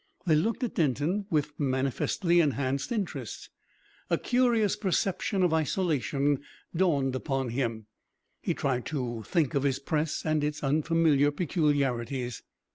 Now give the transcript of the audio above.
They looked at Denton with manifestly enhanced interest. A curious perception of isolation dawned upon him. He tried to think of his press and its unfamiliar peculiarities....